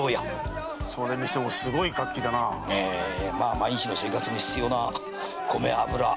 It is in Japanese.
毎日の生活に必要な米油塩